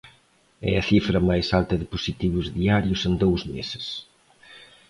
É a cifra máis alta de positivos diarios en dous meses.